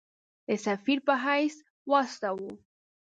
د سفیر په حیث واستاوه.